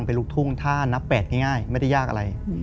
เป็นลูกทุ่งถ้านับ๘ง่ายไม่ได้ยากอะไร